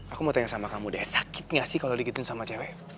aku mau tanya sama kamu deh sakit gak sih kalau dikitin sama cewek